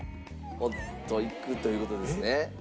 おっといくという事ですね。